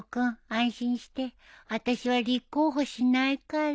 安心してあたしは立候補しないから